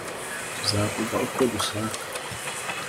Tuzavuga uko dushaka